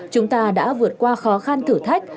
chúng ta đã vượt qua khó khăn thử thách